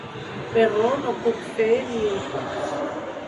Però no puc fer ni un pas.